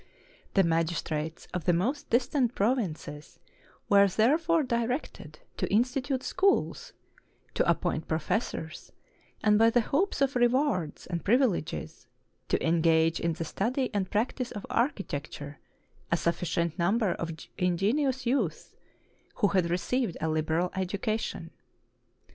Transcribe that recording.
The magistrates of the most distant provinces were therefore directed to institute schools, to appoint professors, and by the hopes of rewards and privileges, to engage in the study and practice of archi tecture a sufiScient number of ingenious youths who had received a liberal education.